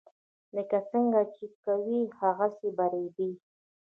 لکه څنګه چې کوې هغسې به ریبې.